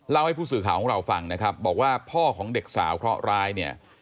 ให้ผู้สื่อข่าวของเราฟังนะครับบอกว่าพ่อของเด็กสาวเคราะหร้ายเนี่ย